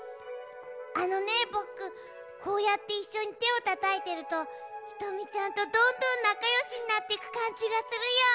あのねぼくこうやっていっしょにてをたたいてるとひとみちゃんとどんどんなかよしになっていくかんじがするよ！